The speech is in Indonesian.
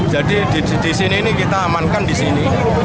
jadi di sini ini kita amankan di sini